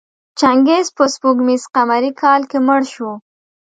چنګیز په سپوږمیز قمري کال کې مړ شو.